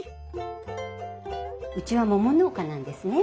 うちは桃農家なんですね。